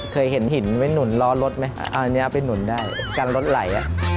เคยเห็นหินไว้หนุนลอรถไหมอันนี้ใส้หนุนได้การอทไหล